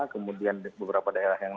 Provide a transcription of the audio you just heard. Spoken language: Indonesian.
kemudian beberapa daerah yang